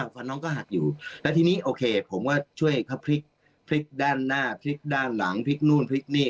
ฟันน้องก็หักอยู่แล้วทีนี้โอเคผมก็ช่วยเขาพลิกด้านหน้าพลิกด้านหลังพลิกนู่นพลิกนี่